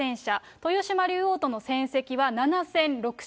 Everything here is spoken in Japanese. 豊島竜王との戦績は７戦６勝。